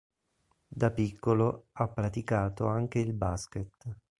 Da piccolo ha praticato anche il basket.